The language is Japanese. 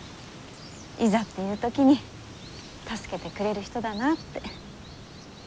いざっていう時に助けてくれる人だなって。